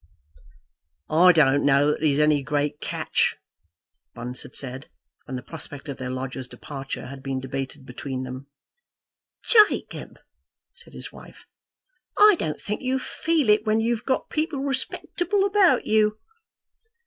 "I don't know that he's any great catch," Bunce had said, when the prospect of their lodger's departure had been debated between them. "Jacob," said his wife, "I don't think you feel it when you've got people respectable about you."